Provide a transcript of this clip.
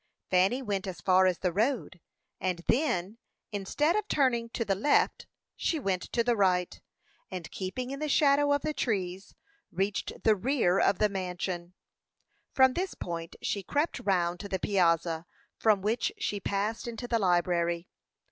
Fanny went as far as the road, and then, instead of turning to the left, she went to the right, and keeping in the shadow of the trees, reached the rear of the mansion. From this point she crept round to the piazza, from which she passed into the library.